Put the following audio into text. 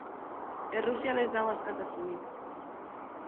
Errusian ez dago askatasunik!.